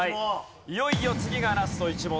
いよいよ次がラスト１問。